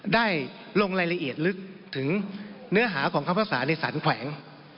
ได้ลงรายละเอียดลึกถึงเนื้อหาของคำภาษาในสารแขวง